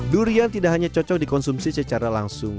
durian tidak hanya cocok dikonsumsi secara langsung